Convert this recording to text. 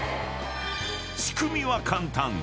［仕組みは簡単。